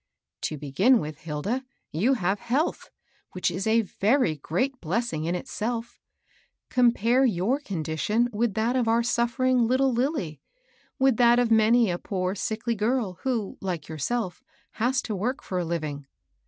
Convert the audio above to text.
" To begin with, Hilda, you have health, which is a very great blessing in itself. Compare your condition with that of our suffering little Lilly, — with that of many a poor, sickly girl, who, like yourself, has to work for a living.